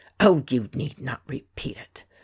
"Oh, you need not repeat it !"